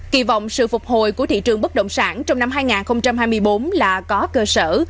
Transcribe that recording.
kỳ vọng sự phục hồi của thị trường bất động sản trong năm hai nghìn hai mươi bốn là có cơ sở